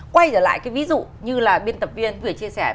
quay trở lại cái ví dụ như là biên tập viên vừa chia sẻ